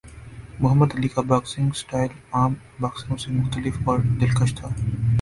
محمد Ali کا boxing style عام باکسروں سے مختلف اور دلکش تھا